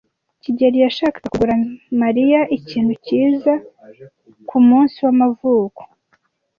kigeli yashakaga kugura Mariya ikintu cyiza kumunsi w'amavuko.